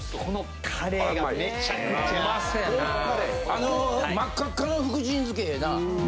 あの真っ赤っ赤の福神漬けええな。